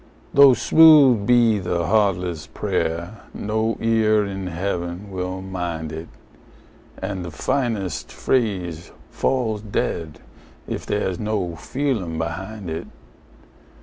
Though smooth be the heartless prayer, no ear in Heaven will mind it, And the finest phrase falls dead if there is no feeling behind it.